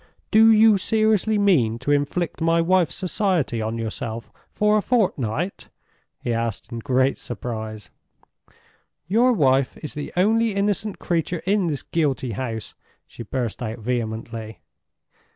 "Do you seriously mean to inflict my wife's society on yourself for a fortnight?" he asked, in great surprise. "Your wife is the only innocent creature in this guilty house," she burst out vehemently.